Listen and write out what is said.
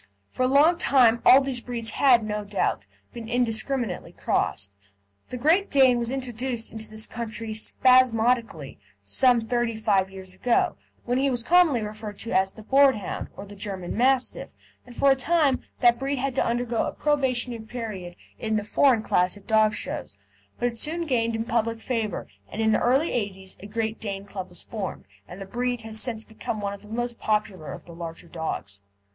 For a long time all these breeds had, no doubt, been indiscriminately crossed. The Great Dane was introduced into this country spasmodically some thirty five years ago, when he was commonly referred to as the Boarhound, or the German Mastiff, and for a time the breed had to undergo a probationary period in the "Foreign Class" at dog shows, but it soon gained in public favour, and in the early 'eighties a Great Dane Club was formed, and the breed has since become one of the most popular of the larger dogs.